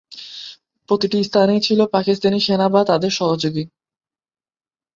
প্রতিটি স্থানেই ছিল পাকিস্তানি সেনা বা তাদের সহযোগী।